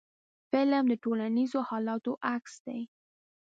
فلم د ټولنیزو حالاتو عکس دی